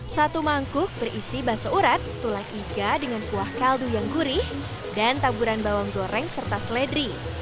satu mangkuk berisi bakso urat tulang iga dengan kuah kaldu yang gurih dan taburan bawang goreng serta seledri